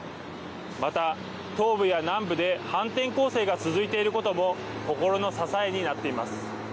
また、東部や南部で反転攻勢が続いていることも心の支えになっています。